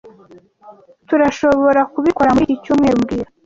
Tturashoborakubikora muri iki cyumweru mbwira